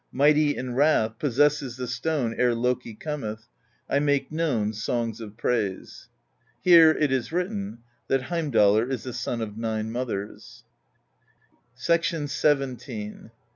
Mighty in wrath, possesses The Stone ere Loki cometh: I make known songs of praise. Here it is written that Heimdallr is the son of nine mothers. XVn.